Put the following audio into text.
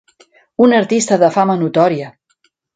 Un artista de fama notòria.